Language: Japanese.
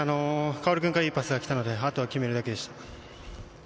薫君からいいパスが来たのであとは決めるだけでした。